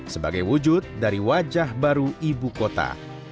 sebagai wujud dari wajah baru ibu kota